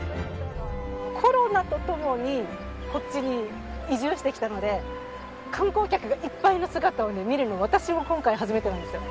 コロナとともにこっちに移住してきたので観光客がいっぱいの姿を見るの私も今回初めてなんですよ。